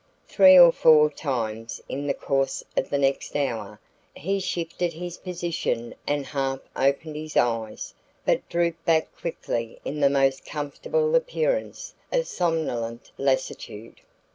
Three or four times in the course of the next hour he shifted his position and half opened his eyes, but drooped back quickly into the most comfortable appearance of somnolent lassitude.